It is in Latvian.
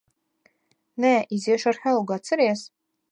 Nē. Iziešu ar Helgu, atceries?